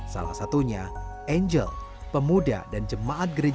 salah satunya angel pemuda dan jemaat gereja